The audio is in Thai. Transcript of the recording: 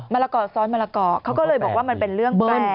ละกอซ้อนมะละกอเขาก็เลยบอกว่ามันเป็นเรื่องต้น